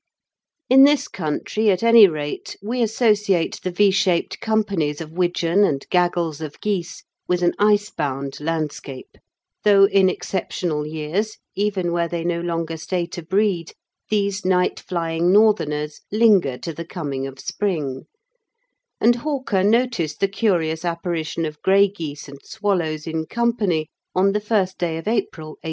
In this country, at any rate, we associate the V shaped companies of wigeon and gaggles of geese with an ice bound landscape, though in exceptional years, even where they no longer stay to breed, these night flying northerners linger to the coming of spring, and Hawker noticed the curious apparition of grey geese and swallows in company on the first day of April, 1839.